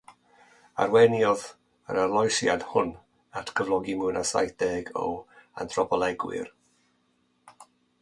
Arweiniodd yr arloesiad hwn at gyflogi mwy na saith deg o anthropolegwyr.